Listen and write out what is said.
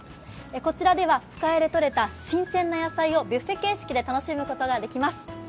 こちらでは深谷でとれた新鮮な野菜をビュッフェ形式でいただくことができます。